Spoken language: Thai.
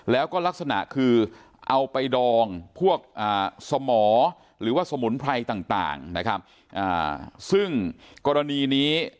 แล้วก็ลักษณะคือเอาไปดองพวกสมอหรือว่าสมุนไพรต่างนะครับซึ่งกรณีนี้